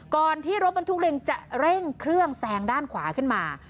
ก่อนที่รถบันทุกข์เรียนจะเร่งเครื่องแซงด้านขวาขึ้นมา